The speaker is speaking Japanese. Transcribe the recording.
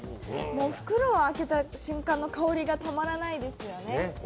袋を開けた瞬間の香りがたまらないですよね。